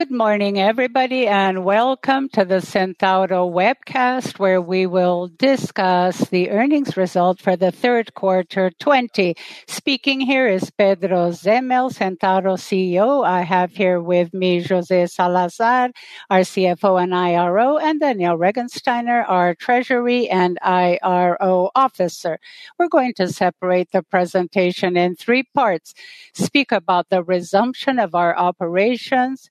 Good morning everybody, welcome to the Centauro webcast, where we will discuss the earnings result for the third quarter 2020. Speaking here is Pedro Zemel, Centauro CEO. I have here with me José Salazar, our CFO and IRO, and Daniel Regensteiner, our treasury and IRO officer. We're going to separate the presentation in three parts, speak about the resumption of our operations,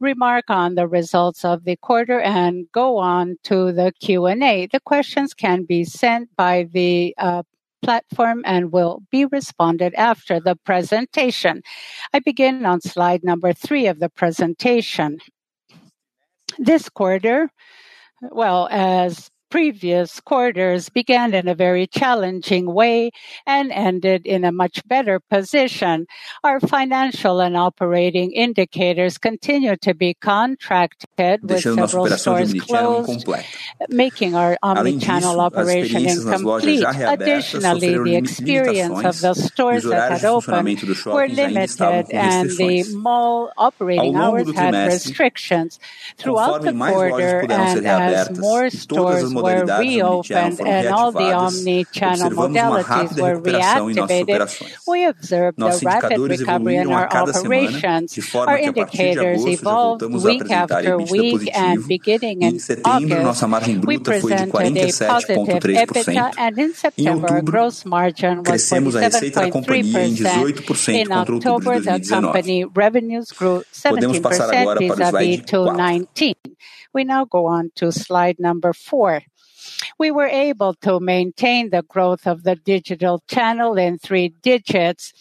remark on the results of the quarter, and go on to the Q&A. The questions can be sent by the platform and will be responded after the presentation. I begin on slide number three of the presentation. This quarter, well, as previous quarters, began in a very challenging way and ended in a much better position. Our financial and operating indicators continued to be contracted with several stores closed, making our omnichannel operation incomplete. Additionally, the experience of the stores that had opened were limited, and the mall operating hours had restrictions. Throughout the quarter, as more stores were reopened and all the omnichannel modalities were reactivated, we observed a rapid recovery in our operations. Our indicators evolved week after week. Beginning in October, we presented a positive EBITDA. In September, gross margin was 47.3%. In October, the company revenues grew 17% vis-à-vis 2019. We now go on to slide number four. We were able to maintain the growth of the digital channel in three digits.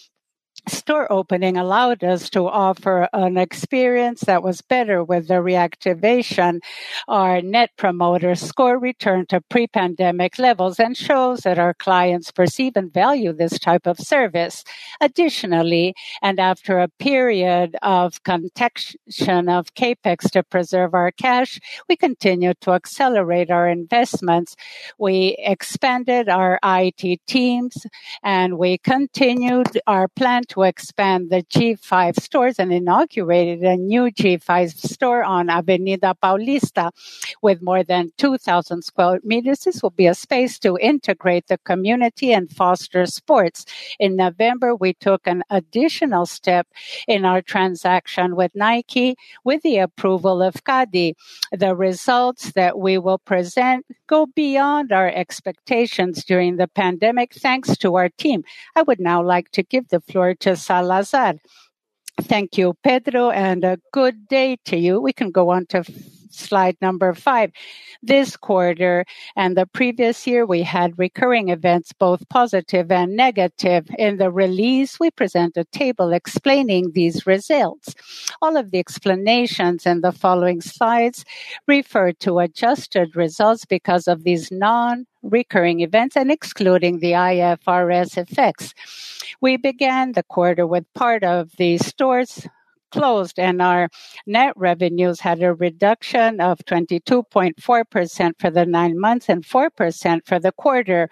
Store opening allowed us to offer an experience that was better with the reactivation. Our Net Promoter Score returned to pre-pandemic levels and shows that our clients perceive and value this type of service. Additionally, after a period of contraction of CapEx to preserve our cash, we continued to accelerate our investments. We expanded our IT teams, and we continued our plan to expand the G5 stores and inaugurated a new G5 store on Avenida Paulista. With more than 2,000 sq m, this will be a space to integrate the community and foster sports. In November, we took an additional step in our transaction with Nike with the approval of CADE. The results that we will present go beyond our expectations during the pandemic, thanks to our team. I would now like to give the floor to Salazar. Thank you, Pedro, and a good day to you. We can go on to slide number five. This quarter and the previous year, we had recurring events, both positive and negative. In the release, we present a table explaining these results. All of the explanations in the following slides refer to adjusted results because of these non-recurring events and excluding the IFRS effects. We began the quarter with part of the stores closed. Our net revenues had a reduction of 22.4% for the nine months and 4% for the quarter.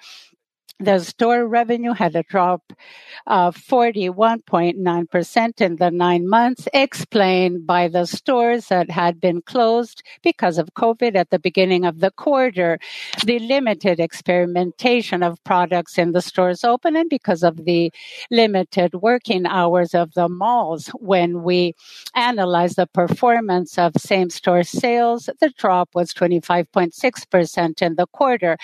The store revenue had a drop of 41.9% in the nine months, explained by the stores that had been closed because of COVID at the beginning of the quarter, the limited experimentation of products in the stores open, and because of the limited working hours of the malls. When we analyzed the performance of same-store sales, the drop was 25.6% in the quarter.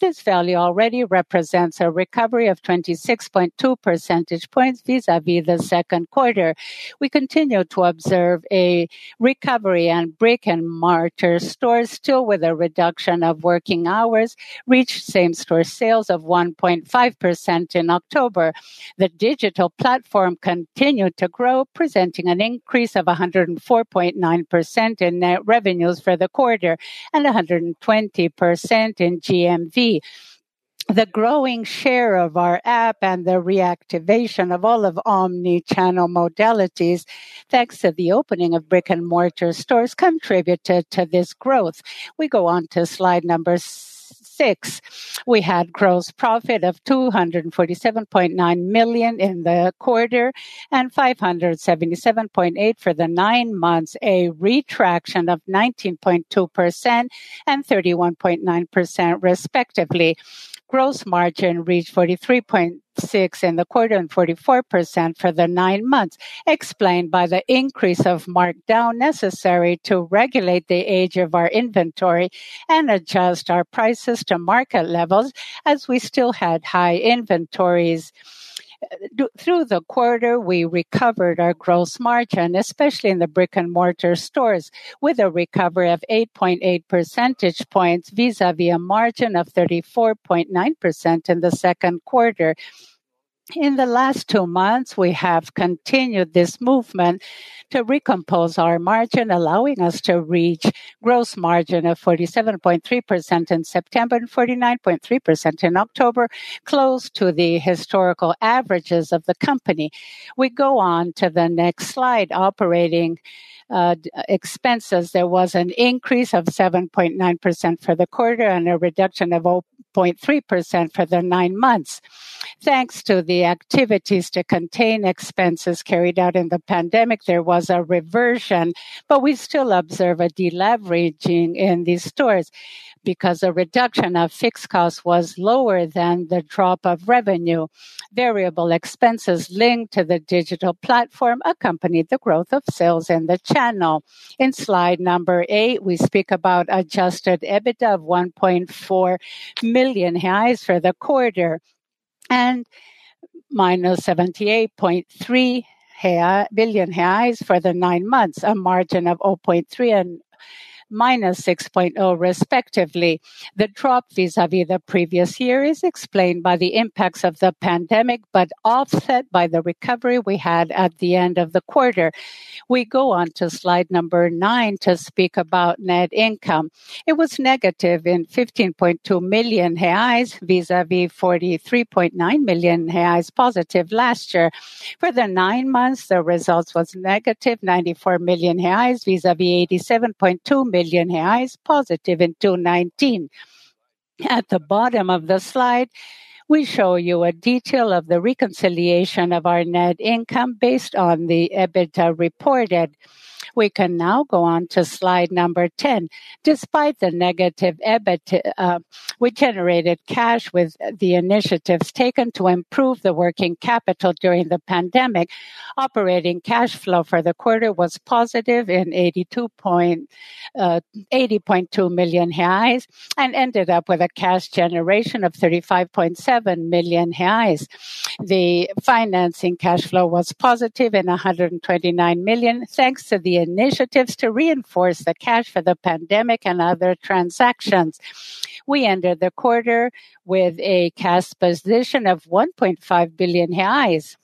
This value already represents a recovery of 26.2 percentage points vis-à-vis the second quarter. We continue to observe a recovery in brick-and-mortar stores, still with a reduction of working hours, reached same-store sales of 1.5% in October. The digital platform continued to grow, presenting an increase of 104.9% in net revenues for the quarter and 120% in GMV. The growing share of our app and the reactivation of all of omnichannel modalities, thanks to the opening of brick-and-mortar stores, contributed to this growth. We go on to slide number six. We had gross profit of 247.9 million in the quarter and 577.8 for the nine months, a retraction of 19.2% and 31.9%, respectively. Gross margin reached 43.6% in the quarter and 44% for the nine months, explained by the increase of markdown necessary to regulate the age of our inventory and adjust our prices to market levels as we still had high inventories. Through the quarter, we recovered our gross margin, especially in the brick-and-mortar stores, with a recovery of 8.8 percentage points vis-à-vis a margin of 34.9% in the second quarter. In the last two months, we have continued this movement to recompose our margin, allowing us to reach gross margin of 47.3% in September and 49.3% in October, close to the historical averages of the company. We go on to the next slide. Operating expenses. There was an increase of 7.9% for the quarter and a reduction of 0.3% for the nine months. Thanks to the activities to contain expenses carried out in the pandemic, there was a reversion, but we still observe a deleveraging in these stores because a reduction of fixed cost was lower than the drop of revenue. Variable expenses linked to the digital platform accompanied the growth of sales in the channel. In slide number eight, we speak about adjusted EBITDA of 1.4 million for the quarter. Minus 78.3 million for the nine months, a margin of 0.3% and -6.0% respectively. The drop vis-a-vis the previous year is explained by the impacts of the pandemic, but offset by the recovery we had at the end of the quarter. We go on to slide number nine to speak about net income. It was negative in 15.2 million reais, vis-a-vis 43.9 million reais positive last year. For the nine months, the results was negative, 94 million reais, vis-a-vis 87.2 million reais positive in 2019. At the bottom of the slide, we show you a detail of the reconciliation of our net income based on the EBITDA reported. We can now go on to slide number 10. Despite the negative EBITDA, we generated cash with the initiatives taken to improve the working capital during the pandemic. Operating cash flow for the quarter was positive in 80.2 million reais and ended up with a cash generation of 35.7 million reais. The financing cash flow was positive in 129 million, thanks to the initiatives to reinforce the cash for the pandemic and other transactions. We ended the quarter with a cash position of 1.5 billion reais.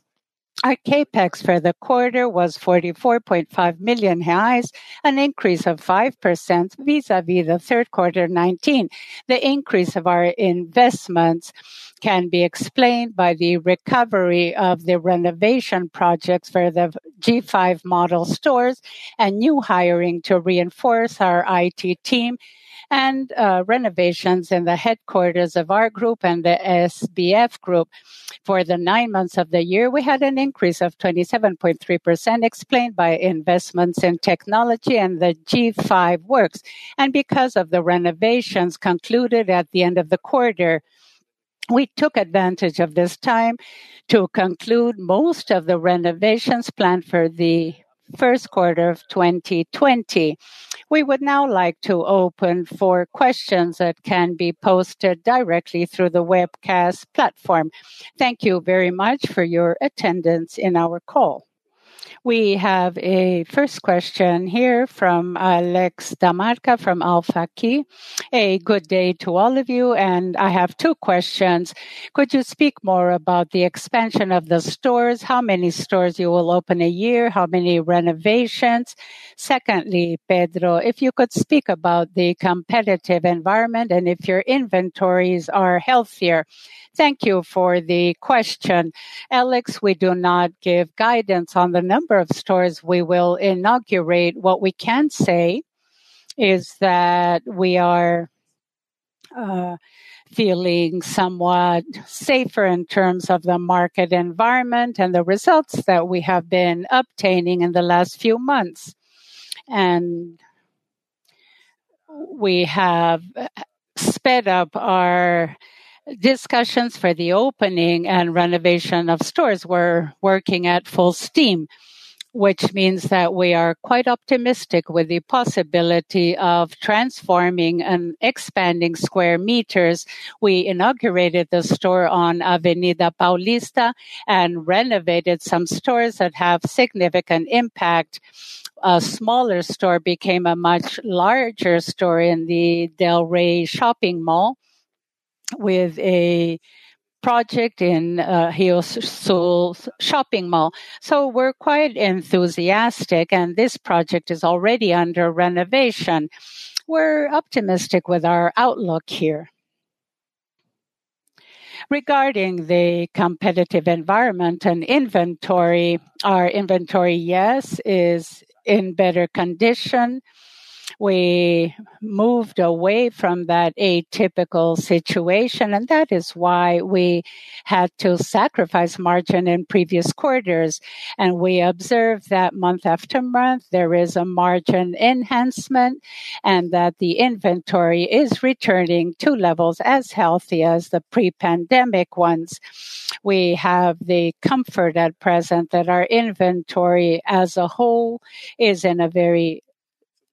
Our CapEx for the quarter was 44.5 million reais, an increase of 5% vis-a-vis the third quarter 2019. The increase of our investments can be explained by the recovery of the renovation projects for the G5 model stores and new hiring to reinforce our IT team and renovations in the headquarters of our group and the Grupo SBF. For the nine months of the year, we had an increase of 27.3% explained by investments in technology and the G5 works. Because of the renovations concluded at the end of the quarter, we took advantage of this time to conclude most of the renovations planned for the first quarter of 2020. We would now like to open for questions that can be posted directly through the webcast platform. Thank you very much for your attendance in our call. We have a first question here from Alex Da Marca from Alpha Key. "Good day to all of you, I have two questions. Could you speak more about the expansion of the stores, how many stores you will open a year, how many renovations? Secondly, Pedro, if you could speak about the competitive environment and if your inventories are healthier." Thank you for the question. Alex, we do not give guidance on the number of stores we will inaugurate. What we can say is that we are feeling somewhat safer in terms of the market environment and the results that we have been obtaining in the last few months. We have sped up our discussions for the opening and renovation of stores. We're working at full steam, which means that we are quite optimistic with the possibility of transforming and expanding square meters. We inaugurated the store on Avenida Paulista and renovated some stores that have significant impact. A smaller store became a much larger store in the Del Rey Shopping mall with a project in Rio Sul shopping mall. We're quite enthusiastic, and this project is already under renovation. We're optimistic with our outlook here. Regarding the competitive environment and inventory, our inventory, yes, is in better condition. We moved away from that atypical situation, that is why we had to sacrifice margin in previous quarters. We observed that month after month, there is a margin enhancement and that the inventory is returning to levels as healthy as the pre-pandemic ones. We have the comfort at present that our inventory as a whole is in a very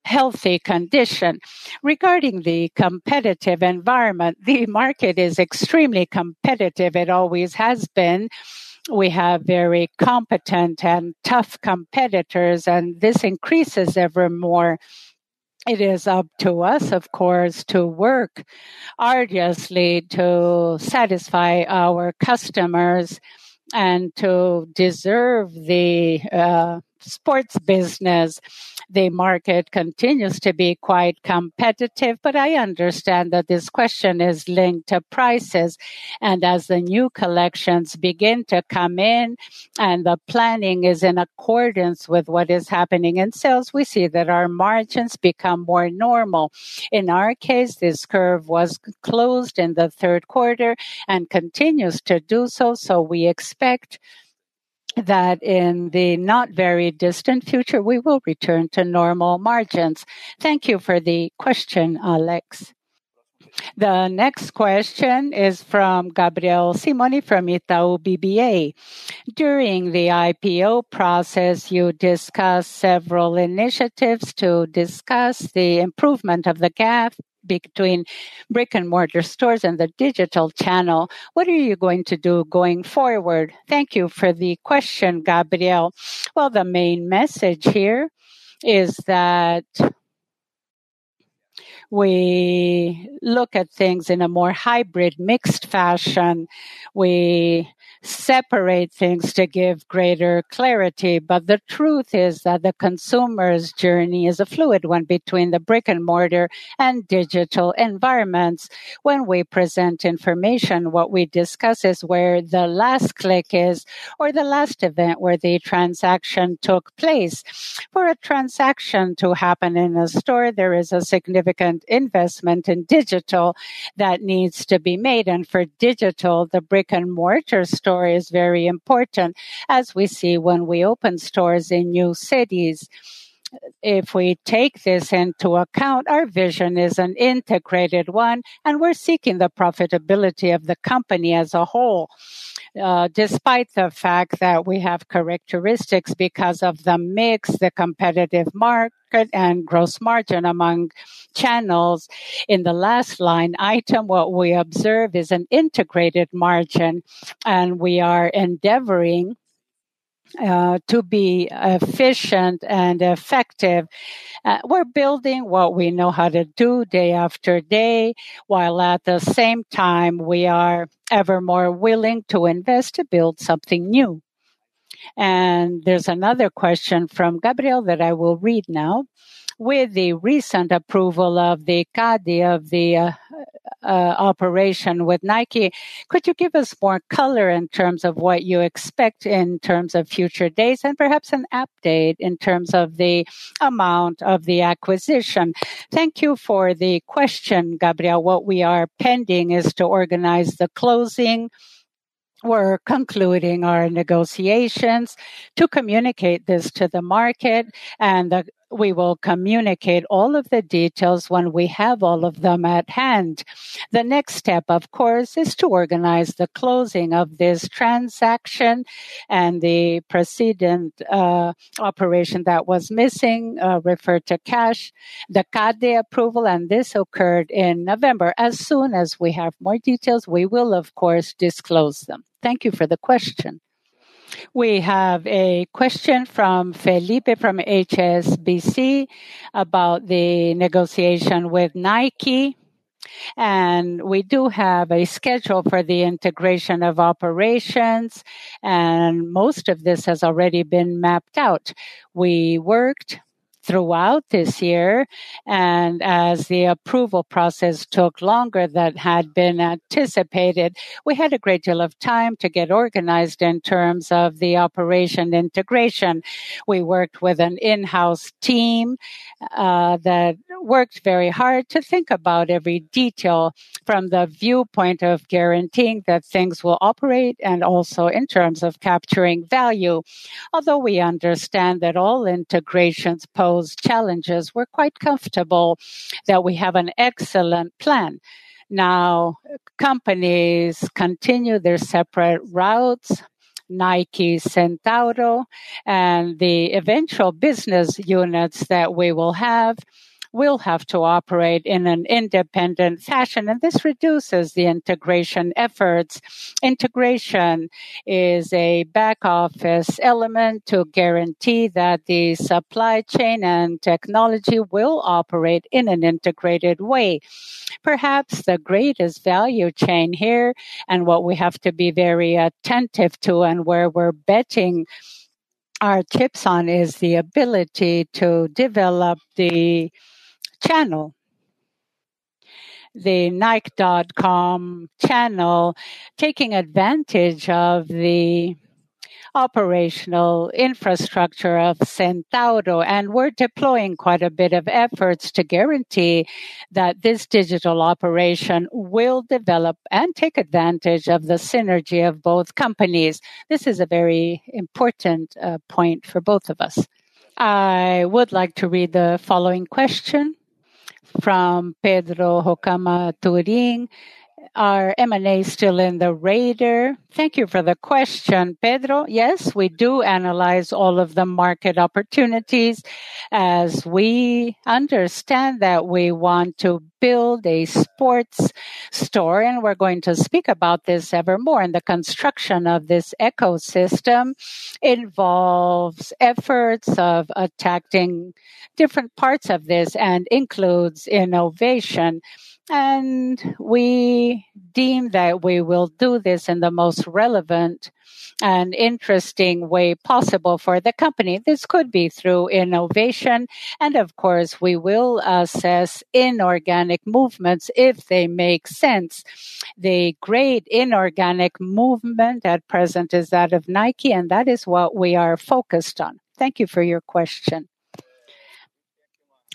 healthy condition. Regarding the competitive environment, the market is extremely competitive. It always has been. We are very competent and tough competitors. This increases evermore. It is up to us, of course, to work arduously to satisfy our customers and to deserve the sports business. I understand that this question is linked to prices. As the new collections begin to come in and the planning is in accordance with what is happening in sales, we see that our margins become more normal. In our case, this curve was closed in the third quarter and continues to do so. We expect that in the not very distant future, we will return to normal margins. Thank you for the question, Alex. The next question is from Gabriel Simioni from Itaú BBA. "During the IPO process, you discussed several initiatives to discuss the improvement of the gap between brick-and-mortar stores and the digital channel. What are you going to do going forward?" Thank you for the question, Gabriel. Well, the main message here is that we look at things in a more hybrid, mixed fashion. We separate things to give greater clarity. The truth is that the consumer's journey is a fluid one between the brick-and-mortar and digital environments. When we present information, what we discuss is where the last click is or the last event where the transaction took place. For a transaction to happen in a store, there is a significant investment in digital that needs to be made. For digital, the brick-and-mortar store is very important, as we see when we open stores in new cities. If we take this into account, our vision is an integrated one, and we're seeking the profitability of the company as a whole. Despite the fact that we have characteristics because of the mix, the competitive market, and gross margin among channels. In the last line item, what we observe is an integrated margin, and we are endeavoring to be efficient and effective. We're building what we know how to do day after day, while at the same time, we are ever more willing to invest to build something new. There's another question from Gabriel that I will read now. "With the recent approval of the CADE of the operation with Nike, could you give us more color in terms of what you expect in terms of future days, and perhaps an update in terms of the amount of the acquisition?" Thank you for the question, Gabriel. What we are pending is to organize the closing. We're concluding our negotiations to communicate this to the market, and we will communicate all of the details when we have all of them at hand. The next step, of course, is to organize the closing of this transaction and the precedent operation that was missing, referred to cash, the CADE approval, and this occurred in November. As soon as we have more details, we will, of course, disclose them. Thank you for the question. We have a question from Felipe from HSBC about the negotiation with Nike. We do have a schedule for the integration of operations. Most of this has already been mapped out. We worked throughout this year. As the approval process took longer than had been anticipated, we had a great deal of time to get organized in terms of the operation integration. We worked with an in-house team that worked very hard to think about every detail from the viewpoint of guaranteeing that things will operate and also in terms of capturing value. Although we understand that all integrations pose challenges, we're quite comfortable that we have an excellent plan. Companies continue their separate routes. Nike Centauro and the eventual business units that we will have, will have to operate in an independent fashion. This reduces the integration efforts. Integration is a back-office element to guarantee that the supply chain and technology will operate in an integrated way. Perhaps the greatest value chain here, and what we have to be very attentive to, and where we're betting our chips on, is the ability to develop the channel. The nike.com channel, taking advantage of the operational infrastructure of Centauro. We're deploying quite a bit of efforts to guarantee that this digital operation will develop and take advantage of the synergy of both companies. This is a very important point for both of us. I would like to read the following question from Pedro Hokama Turim. "Are M&As still in the radar?" Thank you for the question, Pedro. Yes, we do analyze all of the market opportunities as we understand that we want to build a sports store, and we're going to speak about this ever more. The construction of this ecosystem involves efforts of attacking different parts of this and includes innovation. We deem that we will do this in the most relevant and interesting way possible for the company. This could be through innovation, and of course, we will assess inorganic movements if they make sense. The great inorganic movement at present is that of Nike, and that is what we are focused on. Thank you for your question.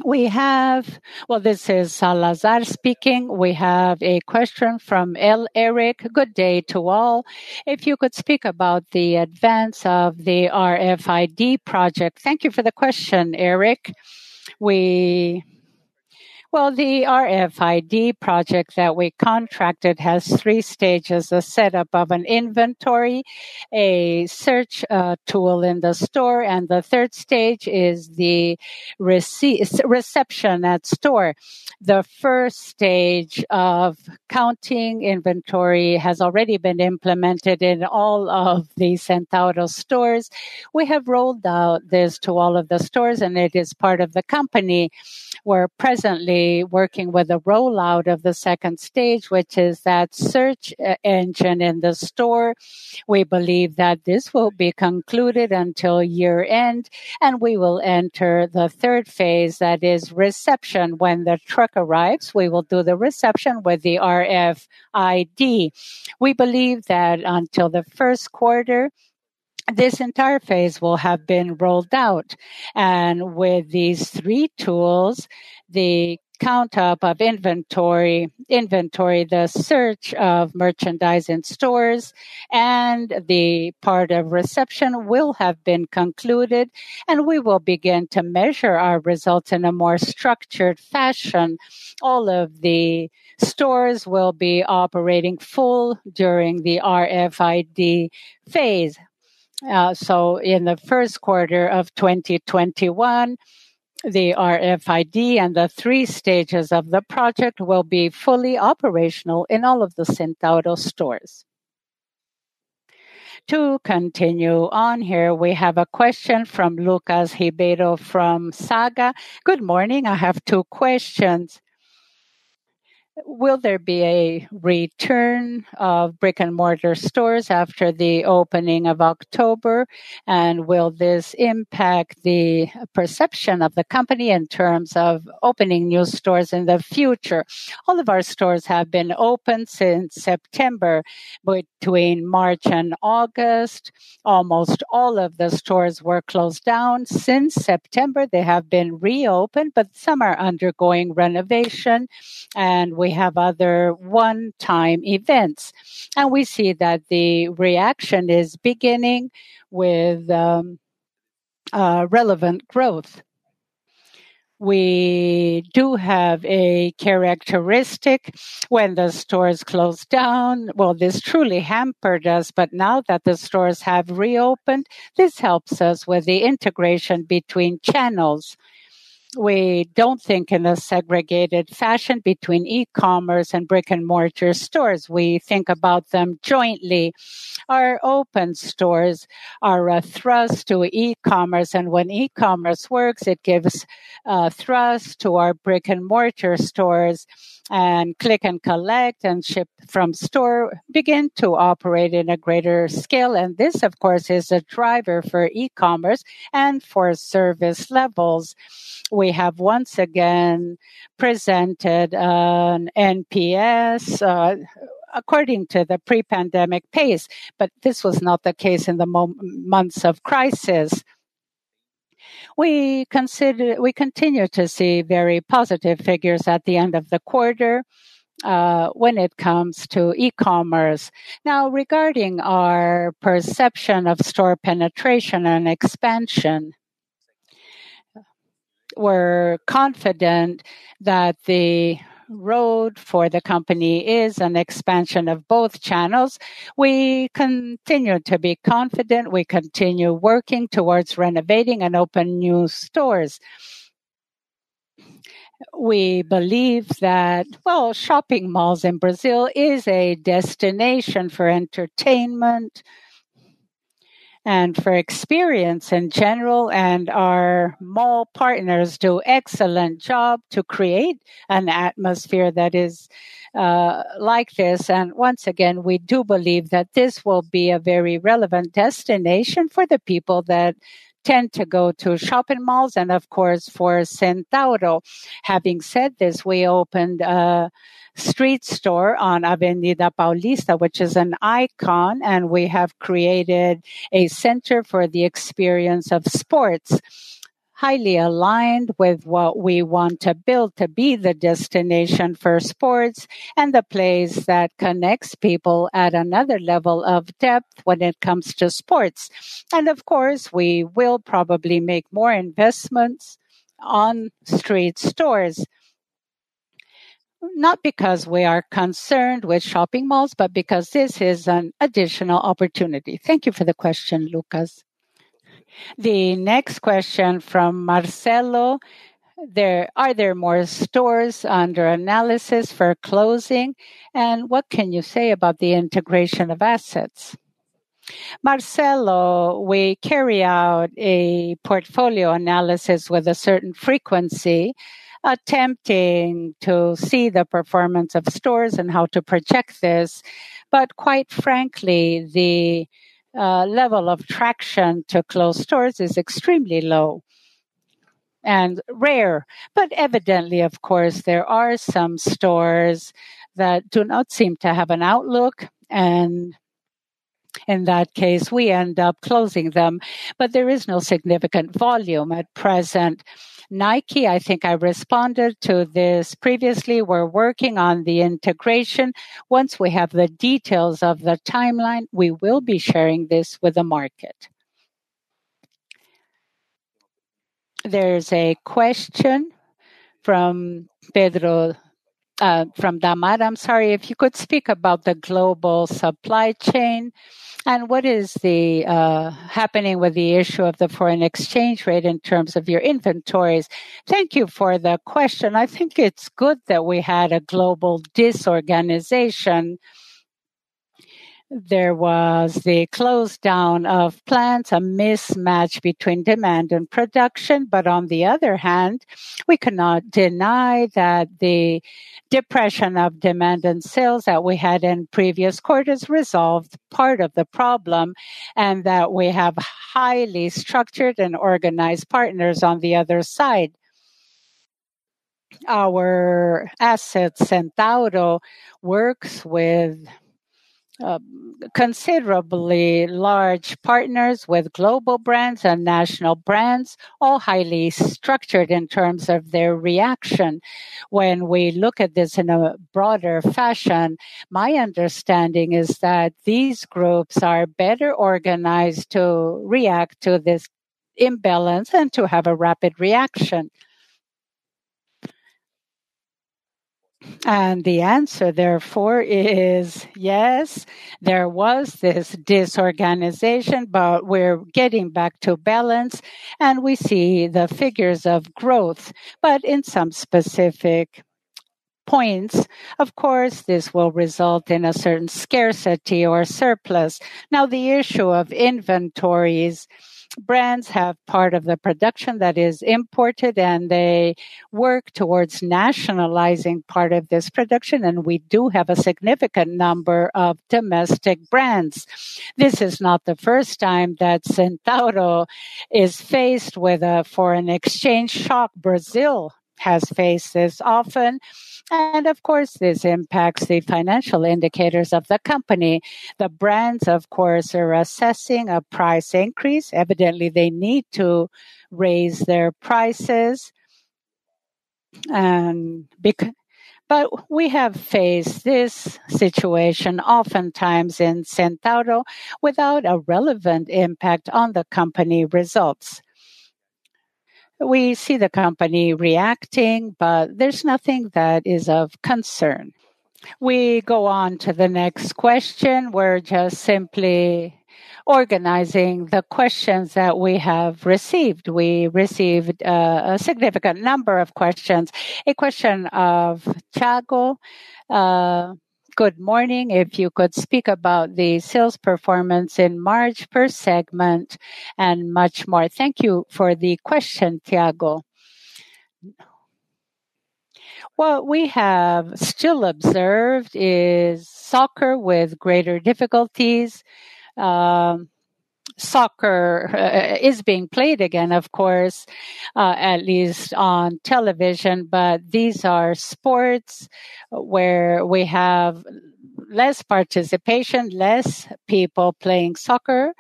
Well, this is Salazar speaking. We have a question from L. Eric. Good day to all. If you could speak about the advance of the RFID project. Thank you for the question, Eric. Well, the RFID project that we contracted has three stages. The setup of an inventory, a search tool in the store, and the third stage is the reception at store. The stage one of counting inventory has already been implemented in all of the Centauro stores. We have rolled out this to all of the stores, and it is part of the company. We're presently working with the rollout of the stage two, which is that search engine in the store. We believe that this will be concluded until year-end, and we will enter the phase three, that is reception. When the truck arrives, we will do the reception with the RFID. We believe that until the first quarter, this entire phase will have been rolled out. With these three tools, the count up of inventory, the search of merchandise in stores, and the part of reception will have been concluded, and we will begin to measure our results in a more structured fashion. All of the stores will be operating full during the RFID phase. In the first quarter of 2021, the RFID and the three stages of the project will be fully operational in all of the Centauro stores. To continue on here, we have a question from Lucas Ribeiro from Saga. "Good morning. I have two questions. Will there be a return of brick-and-mortar stores after the opening of October? Will this impact the perception of the company in terms of opening new stores in the future?" All of our stores have been open since September. Between March and August, almost all of the stores were closed down. Since September, they have been reopened, but some are undergoing renovation, and we have other one-time events. We see that the reaction is beginning with relevant growth. We do have a characteristic when the stores close down. Well, this truly hampered us, but now that the stores have reopened, this helps us with the integration between channels. We don't think in a segregated fashion between e-commerce and brick-and-mortar stores. We think about them jointly. Our open stores are a thrust to e-commerce, and when e-commerce works, it gives thrust to our brick-and-mortar stores, and click and collect and ship from store begin to operate in a greater scale. This, of course, is a driver for e-commerce and for service levels. We have once again presented an NPS according to the pre-pandemic pace, but this was not the case in the months of crisis. We continue to see very positive figures at the end of the quarter when it comes to e-commerce. Regarding our perception of store penetration and expansion, we're confident that the road for the company is an expansion of both channels. We continue to be confident. We continue working towards renovating and open new stores. We believe that, well, shopping malls in Brazil is a destination for entertainment and for experience in general, and our mall partners do excellent job to create an atmosphere that is like this. Once again, we do believe that this will be a very relevant destination for the people that tend to go to shopping malls and, of course, for Centauro. Having said this, we opened a street store on Avenida Paulista, which is an icon, and we have created a center for the experience of sports, highly aligned with what we want to build to be the destination for sports and the place that connects people at another level of depth when it comes to sports. Of course, we will probably make more investments on street stores, not because we are concerned with shopping malls, but because this is an additional opportunity. Thank you for the question, Lucas. The next question from Marcelo. "Are there more stores under analysis for closing? What can you say about the integration of assets?" Marcelo, we carry out a portfolio analysis with a certain frequency, attempting to see the performance of stores and how to project this. Quite frankly, the level of traction to close stores is extremely low and rare. Evidently, of course, there are some stores that do not seem to have an outlook, and in that case, we end up closing them. There is no significant volume at present. Nike, I think I responded to this previously. We're working on the integration. Once we have the details of the timeline, we will be sharing this with the market. There is a question from Damad, I'm sorry. "If you could speak about the global supply chain, and what is happening with the issue of the foreign exchange rate in terms of your inventories?" Thank you for the question. I think it's good that we had a global disorganization. There was the close down of plants, a mismatch between demand and production. On the other hand, we cannot deny that the depression of demand and sales that we had in previous quarters resolved part of the problem, and that we have highly structured and organized partners on the other side. Our assets, Centauro, works with considerably large partners, with global brands and national brands, all highly structured in terms of their reaction. When we look at this in a broader fashion, my understanding is that these groups are better organized to react to this imbalance and to have a rapid reaction. The answer, therefore, is yes, there was this disorganization, but we're getting back to balance, and we see the figures of growth. In some specific points, of course, this will result in a certain scarcity or surplus. Now, the issue of inventories. Brands have part of the production that is imported, and they work towards nationalizing part of this production, and we do have a significant number of domestic brands. This is not the first time that Centauro is faced with a foreign exchange shock. Brazil has faced this often, and of course, this impacts the financial indicators of the company. The brands, of course, are assessing a price increase. Evidently, they need to raise their prices. We have faced this situation oftentimes in Centauro without a relevant impact on the company results. We see the company reacting, there's nothing that is of concern. We go on to the next question. We're just simply organizing the questions that we have received. We received a significant number of questions. A question of Tiago. "Good morning. If you could speak about the sales performance in March per segment and much more." Thank you for the question, Tiago. What we have still observed is soccer with greater difficulties. Soccer is being played again, of course, at least on television. These are sports where we have less participation, less people playing soccer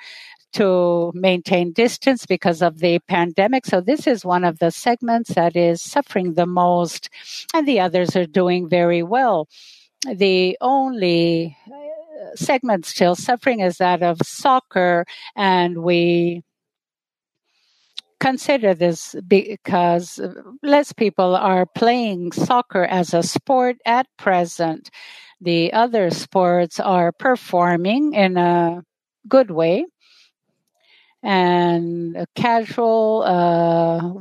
to maintain distance because of the pandemic. This is one of the segments that is suffering the most, and the others are doing very well. The only segment still suffering is that of soccer, and we consider this because less people are playing soccer as a sport at present. The other sports are performing in a good way, and casual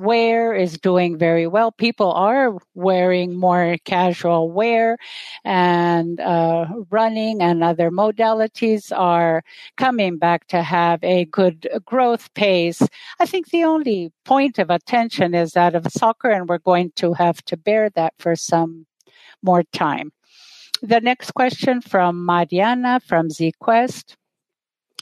wear is doing very well. People are wearing more casual wear, and running and other modalities are coming back to have a good growth pace. I think the only point of attention is that of soccer, and we're going to have to bear that for some more time. The next question from Mariana from ZQuest: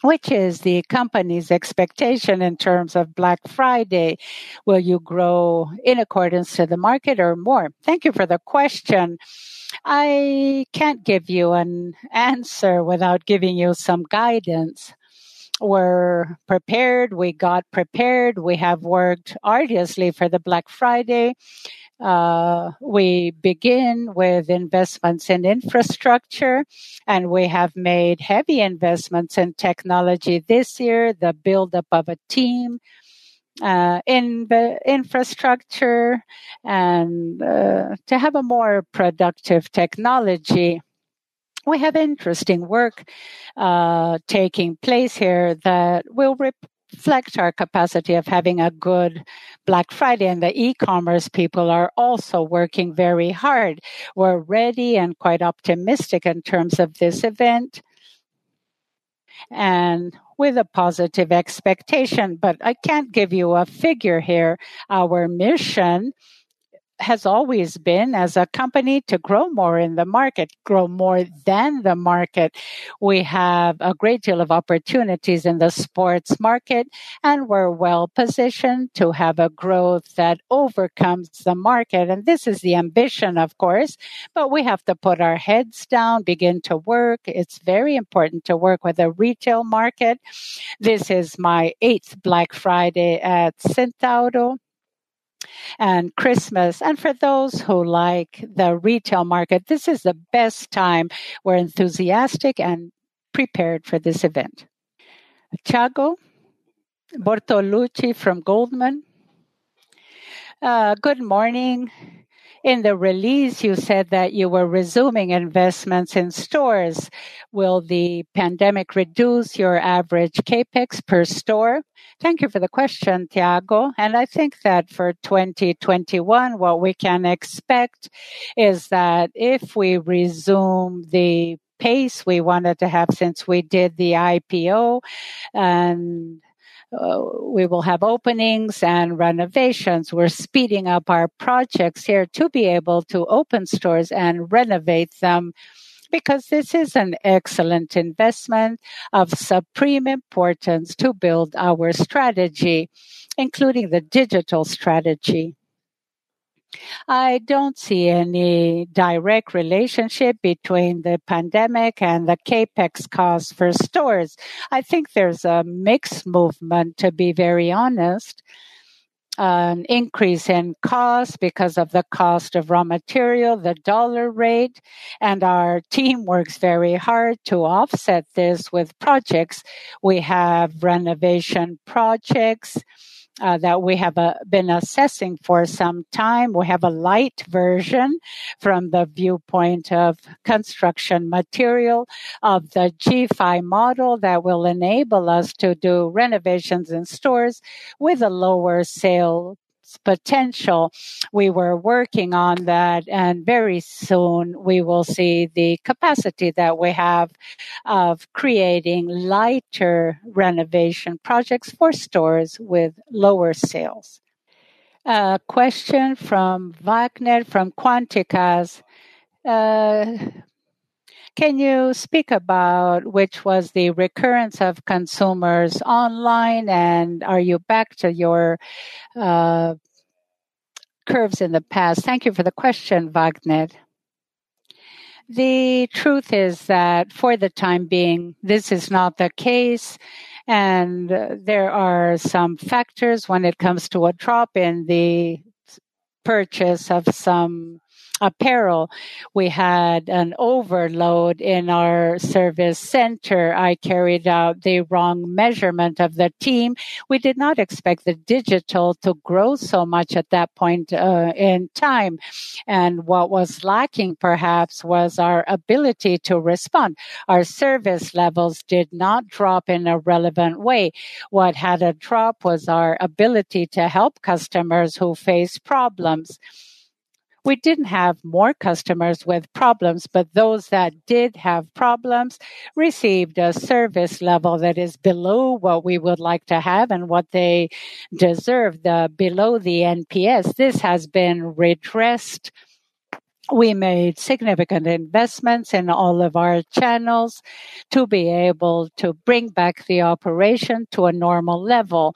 "Which is the company's expectation in terms of Black Friday? Will you grow in accordance to the market or more?" Thank you for the question. I can't give you an answer without giving you some guidance. We're prepared. We got prepared. We have worked arduously for the Black Friday. We begin with investments in infrastructure. We have made heavy investments in technology this year, the buildup of a team, in the infrastructure and to have a more productive technology. We have interesting work taking place here that will reflect our capacity of having a good Black Friday. The e-commerce people are also working very hard. We're ready and quite optimistic in terms of this event and with a positive expectation. I can't give you a figure here. Our mission has always been, as a company, to grow more in the market, grow more than the market. We have a great deal of opportunities in the sports market. We're well-positioned to have a growth that overcomes the market. This is the ambition, of course. We have to put our heads down, begin to work. It's very important to work with the retail market. This is my eighth Black Friday at Centauro and Christmas. For those who like the retail market, this is the best time. We're enthusiastic and prepared for this event. Thiago Bortoluci from Goldman Sachs. "Good morning. In the release, you said that you were resuming investments in stores. Will the pandemic reduce your average CapEx per store?" Thank you for the question, Thiago. I think that for 2021, what we can expect is that if we resume the pace we wanted to have since we did the IPO, we will have openings and renovations. We're speeding up our projects here to be able to open stores and renovate them, because this is an excellent investment of supreme importance to build our strategy, including the digital strategy. I don't see any direct relationship between the pandemic and the CapEx cost for stores. I think there's a mixed movement, to be very honest. An increase in cost because of the cost of raw material, the dollar rate, and our team works very hard to offset this with projects. We have renovation projects that we have been assessing for some time. We have a light version from the viewpoint of construction material of the G5 model that will enable us to do renovations in stores with a lower sales potential. We were working on that, and very soon we will see the capacity that we have of creating lighter renovation projects for stores with lower sales. A question from Vagner from Quantitas. "Can you speak about which was the recurrence of consumers online, and are you back to your curves in the past?" Thank you for the question, Vagner. The truth is that for the time being, this is not the case, and there are some factors when it comes to a drop in the purchase of some apparel. We had an overload in our service center. I carried out the wrong measurement of the team. We did not expect the digital to grow so much at that point in time. What was lacking, perhaps, was our ability to respond. Our service levels did not drop in a relevant way. What had a drop was our ability to help customers who face problems. We didn't have more customers with problems, but those that did have problems received a service level that is below what we would like to have and what they deserve, below the NPS. This has been redressed. We made significant investments in all of our channels to be able to bring back the operation to a normal level.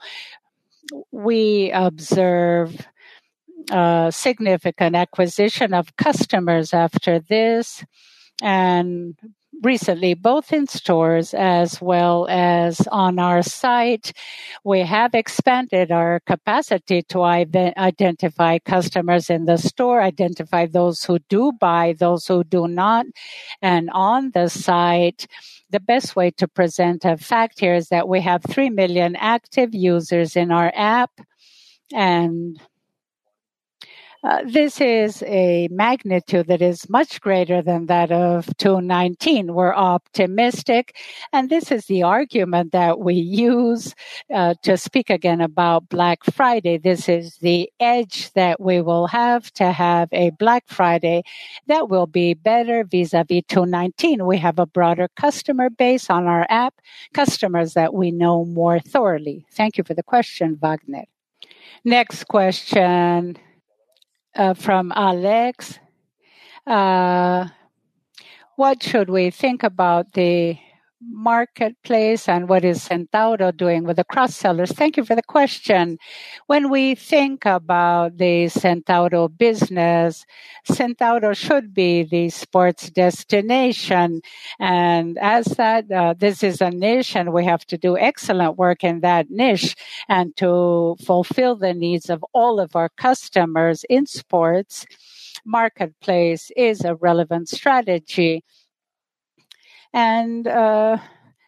We observe a significant acquisition of customers after this, and recently, both in stores as well as on our site. We have expanded our capacity to identify customers in the store, identify those who do buy, those who do not. On the site, the best way to present a fact here is that we have 3 million active users in our app, and this is a magnitude that is much greater than that of 2019. We're optimistic, this is the argument that we use to speak again about Black Friday. This is the edge that we will have to have a Black Friday that will be better vis-à-vis 2019. We have a broader customer base on our app, customers that we know more thoroughly. Thank you for the question, Vagner. Next question from Alex. "What should we think about the marketplace and what is Centauro doing with the cross-sellers?" Thank you for the question. When we think about the Centauro business, Centauro should be the sports destination. As that, this is a niche, and we have to do excellent work in that niche and to fulfill the needs of all of our customers in sports. Marketplace is a relevant strategy.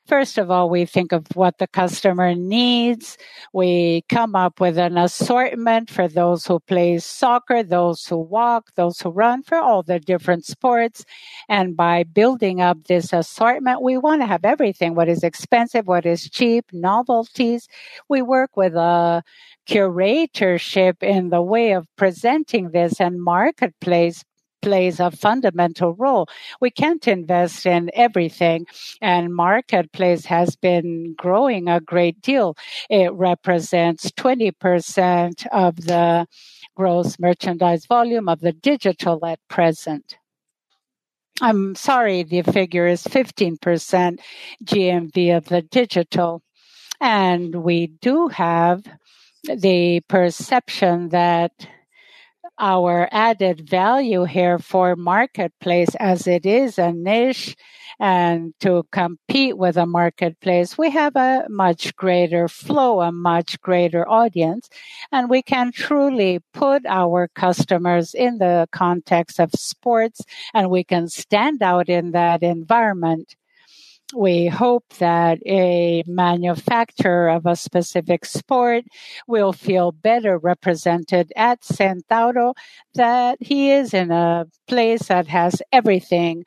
First of all, we think of what the customer needs. We come up with an assortment for those who play soccer, those who walk, those who run, for all the different sports. By building up this assortment, we want to have everything. What is expensive, what is cheap, novelties. We work with a curatorship in the way of presenting this, and marketplace plays a fundamental role. We can't invest in everything, and marketplace has been growing a great deal. It represents 20% of the gross merchandise volume of the digital at present. I'm sorry, the figure is 15% GMV of the digital. We do have the perception that our added value here for marketplace as it is a niche, and to compete with a marketplace, we have a much greater flow, a much greater audience, and we can truly put our customers in the context of sports, and we can stand out in that environment. We hope that a manufacturer of a specific sport will feel better represented at Centauro, that he is in a place that has everything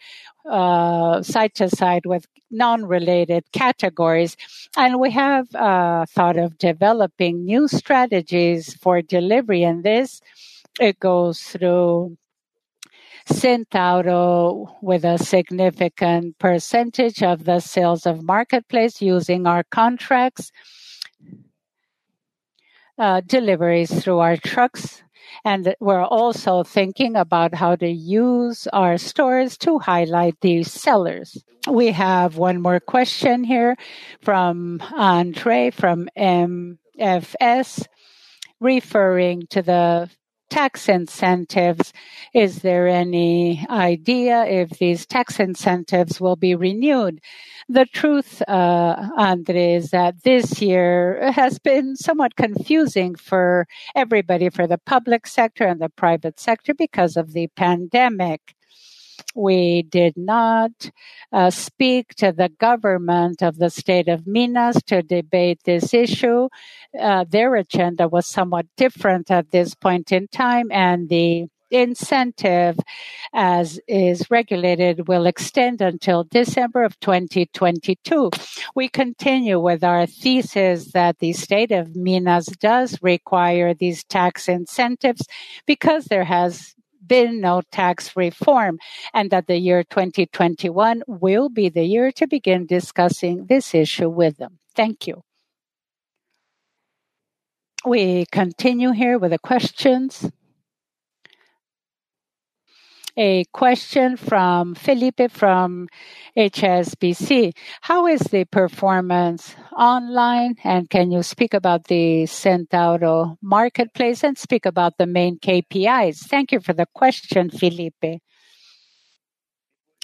side to side with non-related categories. We have thought of developing new strategies for delivery, and this, it goes through Centauro with a significant percentage of the sales of marketplace using our contracts, deliveries through our trucks, and we're also thinking about how to use our stores to highlight these sellers. We have one more question here from Andre from MFS referring to the tax incentives. "Is there any idea if these tax incentives will be renewed?" The truth, Andre, is that this year has been somewhat confusing for everybody, for the public sector and the private sector because of the pandemic. We did not speak to the government of the state of Minas to debate this issue. Their agenda was somewhat different at this point in time, and the incentive, as is regulated, will extend until December of 2022. We continue with our thesis that the state of Minas does require these tax incentives because there has been no tax reform, and that the year 2021 will be the year to begin discussing this issue with them. Thank you. We continue here with the questions. A question from Felipe from HSBC. "How is the performance online, and can you speak about the Centauro marketplace and speak about the main KPIs?" Thank you for the question, Felipe.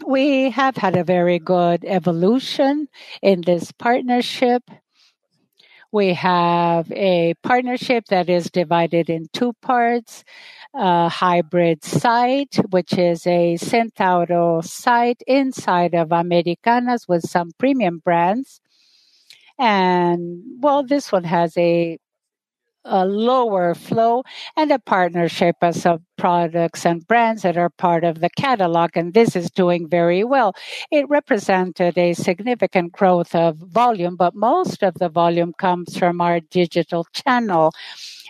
We have had a very good evolution in this partnership. We have a partnership that is divided in two parts. A hybrid site, which is a Centauro site inside of Americanas with some premium brands. Well, this one has a lower flow and a partnership of some products and brands that are part of the catalog, and this is doing very well. It represented a significant growth of volume, but most of the volume comes from our digital channel.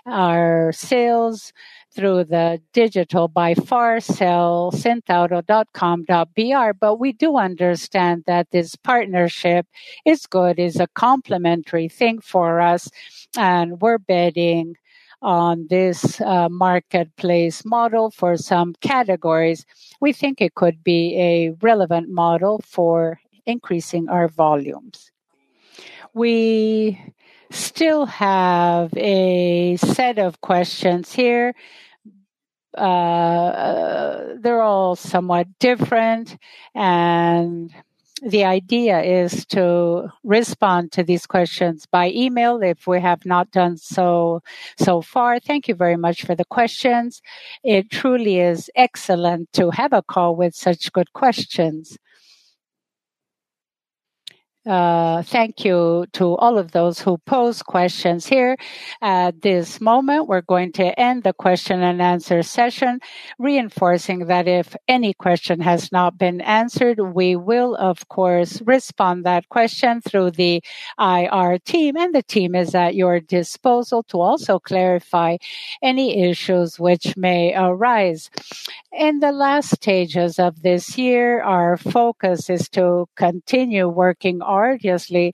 Our sales through the digital by far sell centauro.com.br. We do understand that this partnership is good, is a complementary thing for us, and we're betting on this marketplace model for some categories. We think it could be a relevant model for increasing our volumes. We still have a set of questions here. They're all somewhat different, and the idea is to respond to these questions by email if we have not done so far. Thank you very much for the questions. It truly is excellent to have a call with such good questions. Thank you to all of those who posed questions here. At this moment, we're going to end the question and answer session, reinforcing that if any question has not been answered, we will of course, respond to that question through the IR team. The team is at your disposal to also clarify any issues which may arise. In the last stages of this year, our focus is to continue working arduously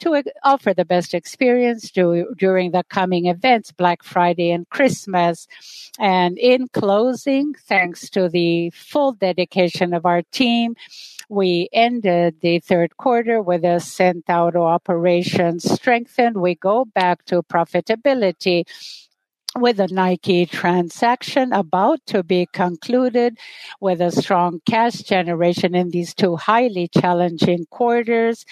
to offer the best experience during the coming events, Black Friday and Christmas. In closing, thanks to the full dedication of our team, we ended the third quarter with a Centauro operation strengthened. We go back to profitability with a Nike transaction about to be concluded with a strong cash generation in these two highly challenging quarters,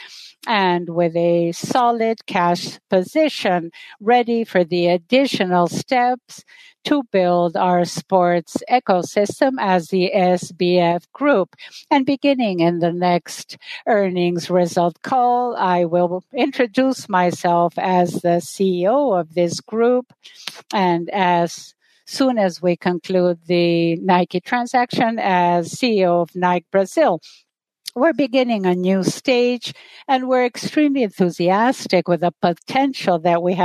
and with a solid cash position ready for the additional steps to build our sports ecosystem as the SBF Group. Beginning in the next earnings result call, I will introduce myself as the CEO of this group, and as soon as we conclude the Nike transaction, as CEO of Nike Brazil. We're beginning a new stage, and we're extremely enthusiastic with the potential that we have